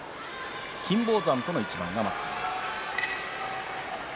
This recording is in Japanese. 金峰山との一番が待っています。